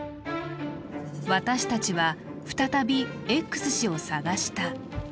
私たちは再びＸ氏を探した。